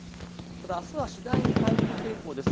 あすは次第に回復傾向です。